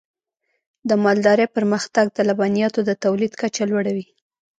د مالدارۍ پرمختګ د لبنیاتو د تولید کچه لوړوي.